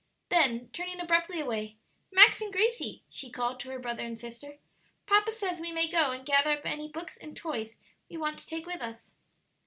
Then, turning abruptly away, "Max and Gracie," she called to her brother and sister, "papa says we may go and gather up any books and toys we want to take with us."